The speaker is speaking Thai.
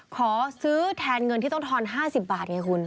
ขอซื้อแทนเงินที่ต้องทอน๕๐บาทไงคุณ